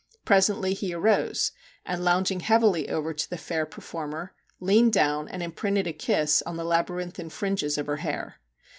Presently he arose, and lounging heavily over to the fair performer, leaned down and im printed a kiss on the labyrinthine fringes of her hair.